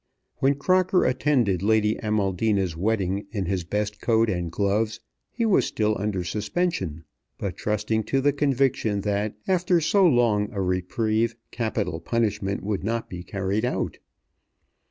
When Crocker attended Lady Amaldina's wedding in his best coat and gloves he was still under suspension; but trusting to the conviction that after so long a reprieve capital punishment would not be carried out.